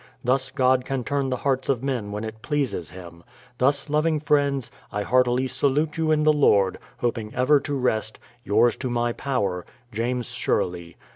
Thus God can turn the hearts of men when it pleases Him. ... Thus loving friends, I heartily salute you in the Lord, hoping ever to rest, Yours to my power, JAMES SHERLEY.